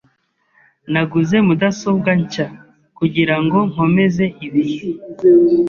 Naguze mudasobwa nshya kugirango nkomeze ibihe.